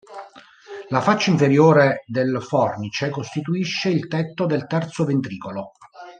La faccia inferiore del fornice costituisce il tetto del terzo ventricolo.